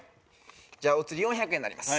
じゃあお釣り４００円になります。